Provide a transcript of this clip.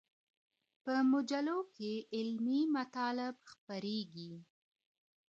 په مجلو کي علمي مطالب خپریږي.